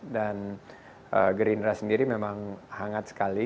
dan gerindra sendiri memang hangat sekali